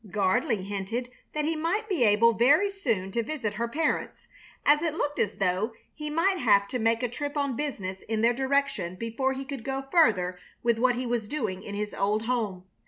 Gardley hinted that he might be able very soon to visit her parents, as it looked as though he might have to make a trip on business in their direction before he could go further with what he was doing in his old home.